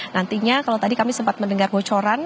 nantinya kalau tadi kami sempat mendengar bocoran